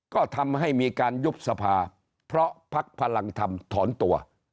ก็ทำให้มีการยุบสภาเพราะพักพลังธรรมถอนตัว